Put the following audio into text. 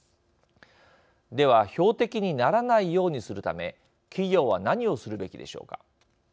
では標的にならないようにするため企業は何をするべきでしょうか。